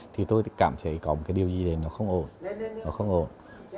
thì tôi cảm thấy có một cái điều gì đấy nó không ổn